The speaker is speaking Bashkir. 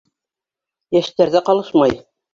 Йәштәр ҙә ҡалышмай.